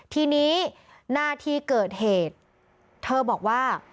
ทีนี้หน้าที่เกิดเหตุเธอบอกว่า